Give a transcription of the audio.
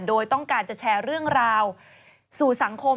โดยต้องการจะแชร์เรื่องราวสู่สังคม